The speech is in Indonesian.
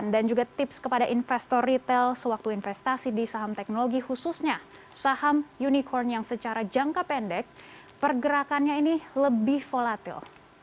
dan juga tips kepada investor retail sewaktu investasi di saham teknologi khususnya saham unicorn yang secara jangka pendek pergerakannya ini lebih volatil